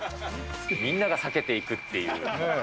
みんなが避けていくっていう。